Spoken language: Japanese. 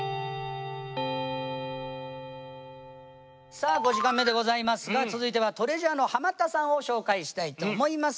さあ５時間目でございますが続いてはＴＲＥＡＳＵＲＥのハマったさんを紹介したいと思います。